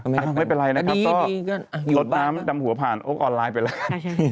ไม่เป็นไรนะครับก็ลดน้ำดำหัวผ่านโลกออนไลน์ไปแล้ว